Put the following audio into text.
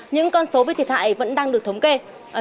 những con số viết thiệt hại vẫn đang được thống báo